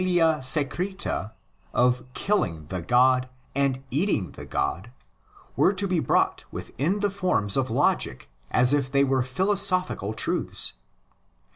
52 THE ORIGINS OF CHRISTIANITY secreta of ''killing the god" and "" eating the god'" were to be brought within the forms of logic as if they were philosophical truths.